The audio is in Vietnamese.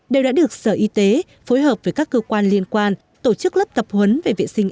đều đã được sở y tế phối hợp với các cơ quan liên quan tổ chức lớp tập huấn về vệ sinh